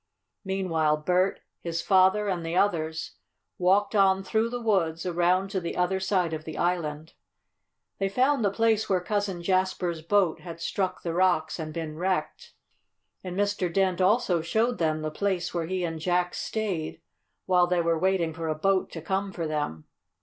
Meanwhile Bert, his father and the others walked on through the woods, around to the other side of the island. They found the place where Cousin Jasper's boat had struck the rocks and been wrecked, and Mr. Dent also showed them the place where he and Jack stayed while they were waiting for a boat to come for them.